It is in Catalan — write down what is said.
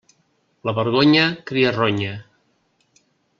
La vergonya cria ronya.